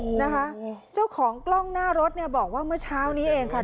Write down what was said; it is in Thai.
นะคะเจ้าของกล้องหน้ารถเนี่ยบอกว่าเมื่อเช้านี้เองค่ะ